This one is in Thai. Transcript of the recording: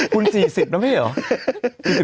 คุณ๔๐นะพี่เหรอ